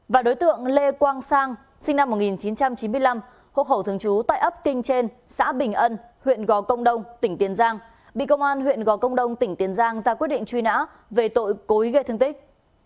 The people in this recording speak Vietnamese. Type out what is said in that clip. và đối tượng lê quang sang sinh năm một nghìn chín trăm chín mươi năm hộ khẩu thường trú tại ấp kinh trên xã bình ân huyện gò công đông tỉnh tiền giang bị công an huyện gò công đông tỉnh tiền giang ra quyết định truy nã về tội cối gây thương tích